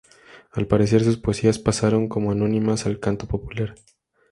Al parecer, sus poesías pasaron como anónimas al canto popular.